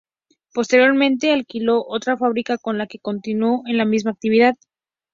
Posteriormente alquiló otra fábrica con la que continuó en la misma actividad.